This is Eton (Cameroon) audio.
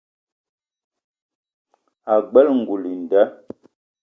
Ag͡bela ngoul i nda.